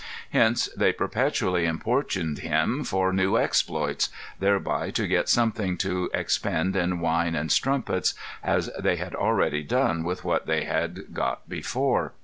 Hence they perpetually importuned him for new exploits, thereby to get something to expend in wine and strumpets, as they had already done with what they got before.